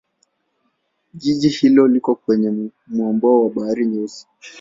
Jiji hilo liko kwenye mwambao wa Bahari Nyeusi.